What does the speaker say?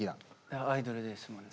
アイドルですもんね。